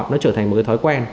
nó trở thành một thói quen